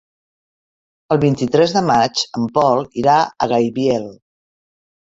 El vint-i-tres de maig en Pol irà a Gaibiel.